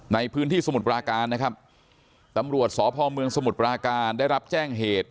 ในพื้นที่สมุทรปราการนะครับตำรวจสพเมืองสมุทรปราการได้รับแจ้งเหตุ